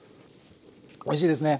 おいしいですね！